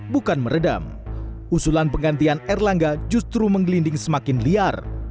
bukan meredam usulan penggantian erlangga justru menggelinding semakin liar